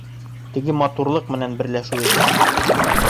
Теге, матурлыҡ менән берләшеү өсөн.